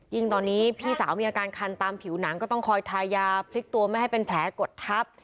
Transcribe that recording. ยิ่งตอนนี้พี่สาวมีอาการคันตามผิวหนังก็ต้องคอยทายาพลิกตัวไม่ให้เป็นแผลกดทับ